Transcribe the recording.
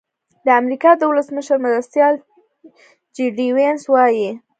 د امریکا د ولسمشر مرستیال جي ډي وینس وايي.